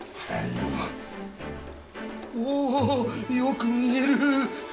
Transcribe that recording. おおよく見える！